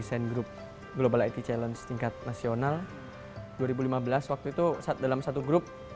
juara dua e design group global it challenge tingkat nasional dua ribu lima belas waktu itu dalam satu grup